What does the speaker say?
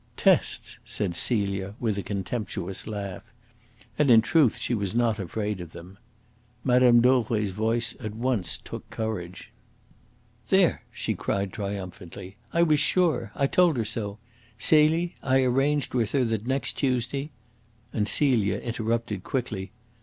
"Tests!" said Celia, with a contemptuous laugh. And, in truth, she was not afraid of them. Mme. Dauvray's voice at once took courage. "There!" she cried triumphantly. "I was sure. I told her so. Celie, I arranged with her that next Tuesday " And Celia interrupted quickly.